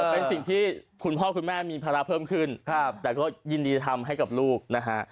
เป็นสิ่งที่คุณพ่อคุณแม่มีภาระเพิ่มขึ้นแต่ก็ยินดีจะทำให้กับลูกนะฮะ